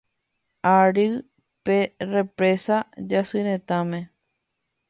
Ary pe Represa Jasyretãme.